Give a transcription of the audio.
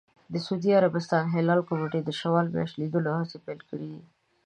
د سعودي عربستان هلال کمېټې د شوال میاشتې لیدلو هڅې پیل کړې دي.